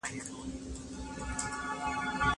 تیت پاشان تصمیم رنګ د ماښام د مشالو پیکه